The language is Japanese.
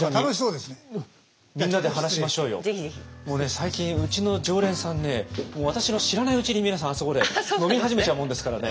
最近うちの常連さんね私の知らないうちに皆さんあそこで飲み始めちゃうもんですからね。